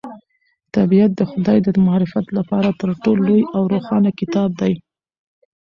طبیعت د خدای د معرفت لپاره تر ټولو لوی او روښانه کتاب دی.